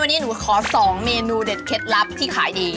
วันนี้หนูขอ๒เมนูเด็ดเคล็ดลับที่ขายดี